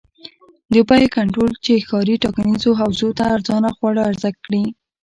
د بیو کنټرول چې ښاري ټاکنیزو حوزو ته ارزانه خواړه عرضه کړي.